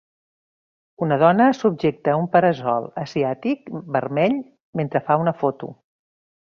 Una dona subjecta un para-sol asiàtic vermell mentre fa una foto.